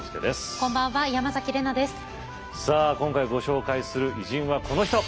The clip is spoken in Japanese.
今回ご紹介する偉人はこの人。